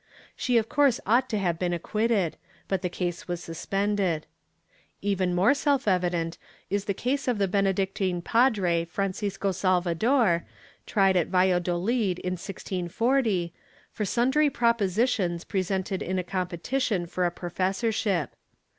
She of course ought to have been acquitted, but the case was suspended.^ Even more self evident is the case of the Benedictine Padre Francisco Salvador, tried at Valladolid, in 1640, for sundry propositions presented in a competition for a professorship.